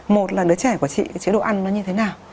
một là đứa trẻ của chị chế độ ăn nó như thế nào